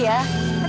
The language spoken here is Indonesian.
saya juga nyuruh